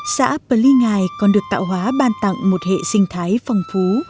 xã peli ngai còn được tạo hóa ban tặng một hệ sinh thái phong phú